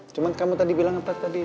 cuma kamu tadi bilang entah tadi